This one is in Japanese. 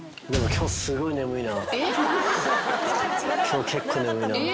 今日結構眠いな。